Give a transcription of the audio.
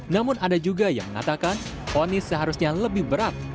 namun ada juga yang mengatakan ponis seharusnya lebih berat